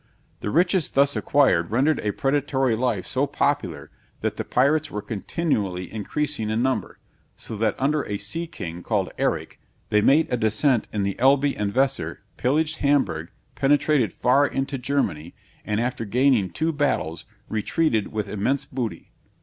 The riches thus acquired rendered a predatory life so popular, that the pirates were continually increasing in number, so that under a "sea king" called Eric, they made a descent in the Elbe and the Weser, pillaged Hamburg, penetrated far into Germany, and after gaining two battles, retreated with immense booty.